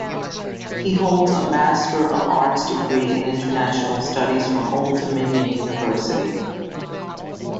He holds a Master of Arts Degree in International Studies from Old Dominion University.